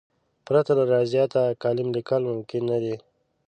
پرته له ریاضته کالم لیکل ممکن نه دي.